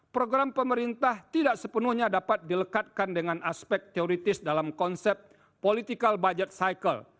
program pemerintah tidak sepenuhnya dapat dilekatkan dengan aspek teoritis dalam konsep political budget cycle